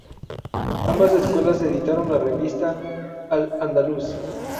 Ambas Escuelas editaron la revista "Al-Andalus".